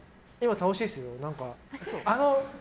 楽しいですよ。